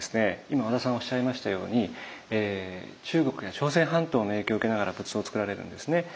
今和田さんおっしゃいましたように中国や朝鮮半島の影響を受けながら仏像つくられるんですね。